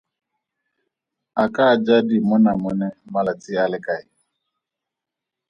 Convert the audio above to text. A ka ja dimonamone malatsi a le makae?